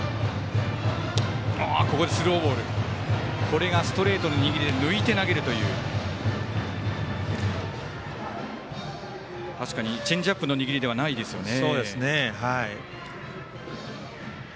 今のがストレートの握りで抜いて投げるという、確かにチェンジアップの握りではないですよね。